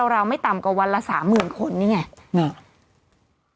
ราวไม่ต่ำกว่าวันละ๓๐๐๐คนนี่ไง